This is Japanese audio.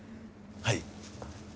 はい。